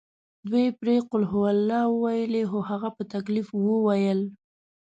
دوی پرې قل هوالله وویلې خو هغه په تکلیف وویل.